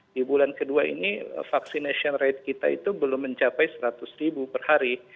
di bulan kedua ini vaccination rate kita itu belum mencapai seratus ribu per hari